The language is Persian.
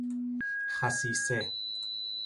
خصیصه